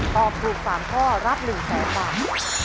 ตอบถูก๓ข้อรับ๑๐๐๐บาท